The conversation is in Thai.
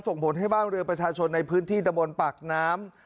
ส่งผลให้บ้านเรือประชาชนในพื้นที่ตะบนปากน้ำ